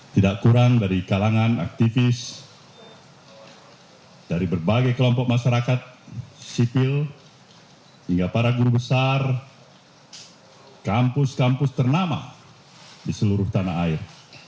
tidak kurang dari kalangan aktivis dari berbagai kelompok masyarakat sipil hingga para guru besar kampus kampus ternama di seluruh tanah air